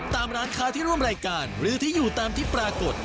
ตามร้านค้าที่ร่วมรายการหรือที่อยู่ตามที่ปรากฏ